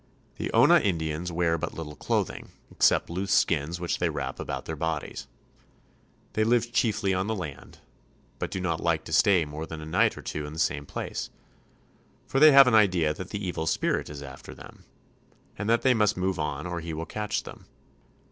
The Ona Indians wear but little clothing, except loose skins which they wrap about their bodies. They live chiefly on the land, but do not like to stay more than a night or two in the same place, for they have an idea that the evil spirit is after them, and that they must move on or he will catch them.